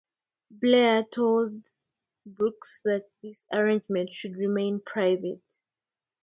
Blair told Brooks that this arrangement should remain private.